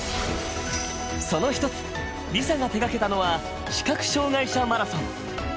その一つＬｉＳＡが手がけたのは「視覚障がい者マラソン」。